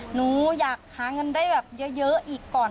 หนูอยากหาเงินได้แบบเยอะอีกก่อน